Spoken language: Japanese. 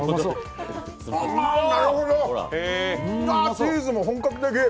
チーズも本格的！